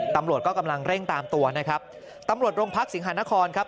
ตำรวจก็กำลังเร่งตามตัวนะครับตำรวจโรงพักสิงหานครครับ